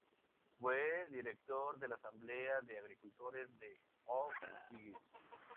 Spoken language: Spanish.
Fue Director de la Asamblea de Agricultores de O'Higgins.